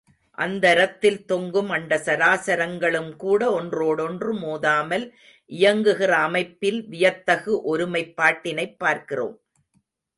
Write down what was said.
அந்தரத்தில் தொங்கும் அண்டசராசரங்களும் கூட ஒன்றோடொன்று மோதாமல் இயங்குகிற அமைப்பில் வியத்தகு ஒருமைப் பாட்டினைப் பார்க்கிறோம்.